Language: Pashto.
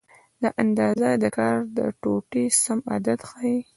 دا اندازه د کار د ټوټې سم عدد ښیي.